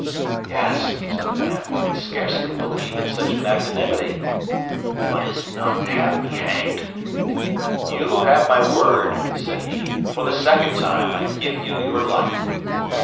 "Yes," said the man, who could scarcely believe in such magnanimity, "but is it not to have me hanged?" "You have my word," said he; "for the second time I give you your life."